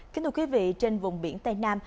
kính thưa quý vị trên vùng biển tây nam